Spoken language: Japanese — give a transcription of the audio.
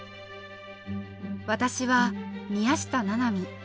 私は宮下七海。